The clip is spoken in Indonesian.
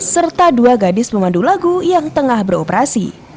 serta dua gadis pemandu lagu yang tengah beroperasi